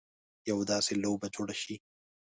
یوه داسې لوبه جوړه شي.